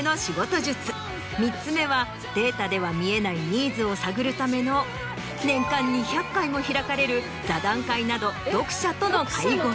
データでは見えないニーズを探るための年間２００回も開かれる座談会など読者との会合。